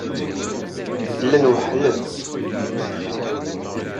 Llan weḥlen.